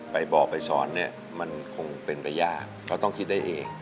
ไปบอกไปสอนเนี่ยมันคงเป็นไปยากเพราะต้องคิดได้เอง